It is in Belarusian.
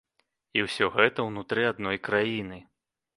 І ўсё гэта ўнутры адной краіны!